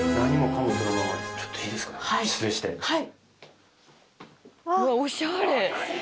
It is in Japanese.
はい。